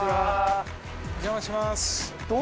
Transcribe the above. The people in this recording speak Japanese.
お邪魔します。